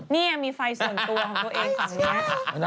นี่มีไฟส่วนตัวของตัวเองฝั่งนี้